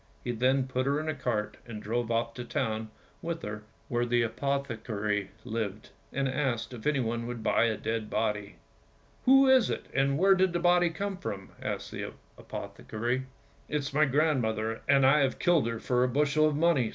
He then put her in a cart and drove off to the town with her where the apothecary lived, and asked if he would buy a dead body. " Who is it, and where did the body come from? " asked the apothecary. "It is my grandmother, and I have killed her for a bushel of money!